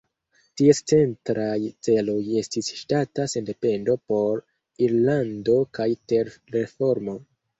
Ties centraj celoj estis ŝtata sendependo por Irlando kaj ter-reformo.